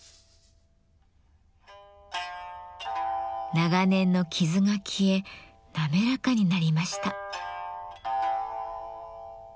長年の傷が消え滑らかになりました。